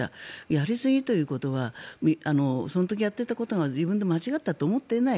やりすぎだということはその時やっていたことが自分で間違っていたと思っていない